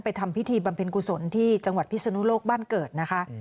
ทำพิธีบำเพ็ญกุศลที่จังหวัดพิศนุโลกบ้านเกิดนะคะ